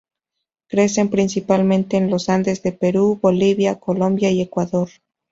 Crecen principalmente en los Andes de Perú, Bolivia, Colombia y Ecuador.